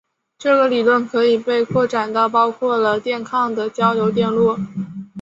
这个理论可以被扩展到包括了电抗的交流电路。